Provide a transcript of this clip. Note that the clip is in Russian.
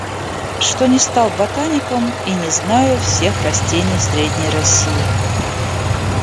что не стал ботаником и не знаю всех растений Средней России.